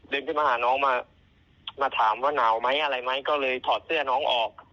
ขึ้นมาหาน้องมามาถามว่าหนาวไหมอะไรไหมก็เลยถอดเสื้อน้องออก